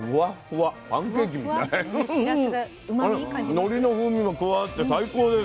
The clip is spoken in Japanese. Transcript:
のりの風味も加わって最高です。